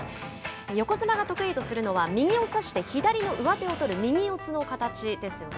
横綱が得意とするのは右を差して左の上手を取る右四つの形ですね。